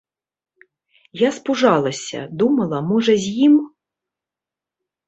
Я спужалася, думала, можа, з ім.